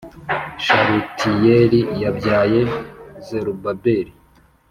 Shalutiyeli yabyaye Zerubabeli,